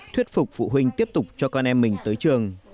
thuyết phục phụ huynh tiếp tục cho con em mình tới trường